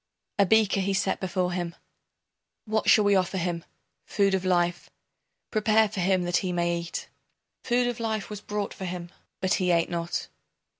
] A beaker he set before him. What shall we offer him? Food of life Prepare for him that he may eat. Food of life was brought for him, but he ate not.